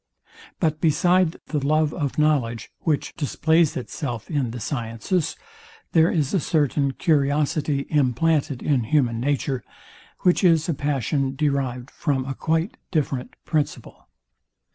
But beside the love of knowledge, which displays itself in the sciences, there is a certain curiosity implanted in human nature, which is a passion derived from a quite different principle.